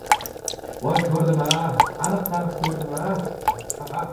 — Voy ko‘rdim-a, aniq- taniq ko‘rdim-a...